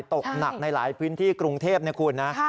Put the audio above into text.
ตกหนักในหลายพื้นที่กรุงเทพนะคุณนะ